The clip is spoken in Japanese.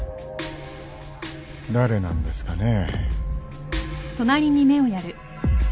誰なんですかねぇ。